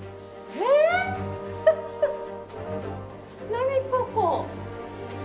何ここ。